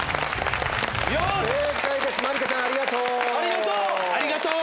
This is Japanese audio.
正解ですまりかちゃんありがとう。ありがとう！